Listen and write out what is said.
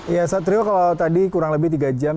ya satrio kalau tadi kurang lebih tiga jam